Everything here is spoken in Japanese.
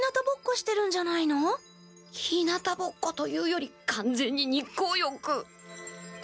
ひなたぼっこというよりかんぜんに日光浴。